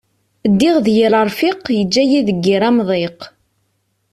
Ddiɣ d yir arfiq, yeǧǧa-yi deg yir amḍiq.